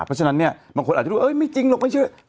เพราะฉะนั้นเนี่ยบางคนอาจจะดูไม่จริงหรอกไม่เชื่อ